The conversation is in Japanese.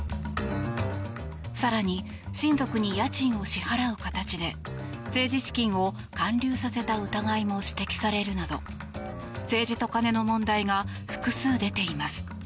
更に、親族に家賃を支払う形で政治資金を還流させた疑いも指摘されるなど政治と金の問題が複数、出ています。